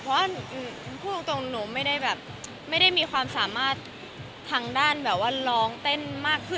เพราะว่าหนูพูดตรงหนูไม่ได้แบบไม่ได้มีความสามารถทางด้านแบบว่าร้องเต้นมากขึ้น